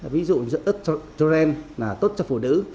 ví dụ như ớt trô ren là tốt cho phụ nữ